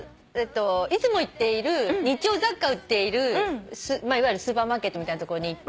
いつも行っている日用雑貨を売っているいわゆるスーパーマーケットみたいな所に行って。